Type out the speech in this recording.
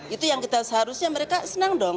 itu yang kita seharusnya mereka senang dong